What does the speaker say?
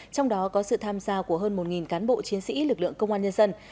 trong đó có sự tham gia của hơn một cán bộ chiến sĩ lực lượng công an nhân dân